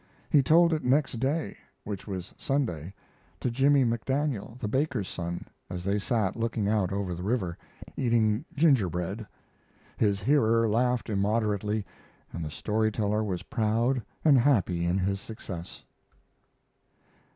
He told it next day, which was Sunday, to Jimmy McDaniel, the baker's son, as they sat looking out over the river, eating gingerbread. His hearer laughed immoderately, and the story teller was proud and happy in his success.